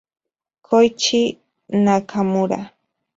Kōichi Nakamura